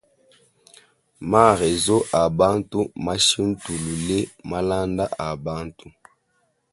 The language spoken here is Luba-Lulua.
Ma rezo a bantu mmashintulule malanda a bantu.